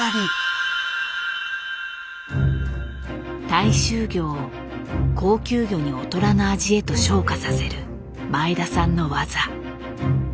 大衆魚を高級魚に劣らぬ味へと昇華させる前田さんの技。